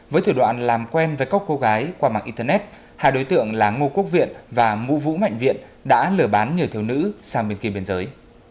với thử đoạn làm quen với cóc cô gái qua mạng internet hai đối tượng là ngô quốc viện và mũ vũ mạnh viện đã lừa bán người thiếu nữ sang bên kia biên giới